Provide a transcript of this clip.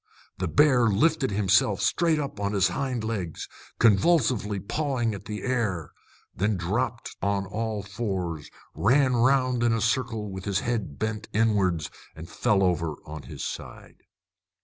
The bear lifted himself straight up on his hind legs, convulsively pawing at the air, then dropped on all fours, ran round in a circle with his head bent inwards, and fell over on his side.